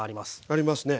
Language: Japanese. ありますね。